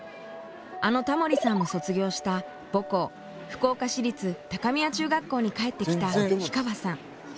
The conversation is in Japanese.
あのタモリさんも卒業した母校福岡市立高宮中学校に帰ってきた氷川さん。